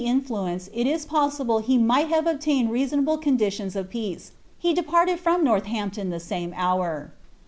kinill}' inflapnce it b possible he might luive obtained reasonable condi lions of peace, he departed from Nortlinmptnn the saine hour.